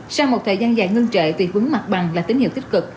sau một thời gian dài ngưng trệ tùy vướng mặt bằng là tín hiệu tích cực